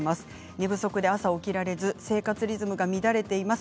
寝不足で朝起きられず生活リズムが乱れています。